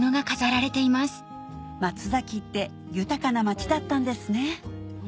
松崎って豊かな町だったんですね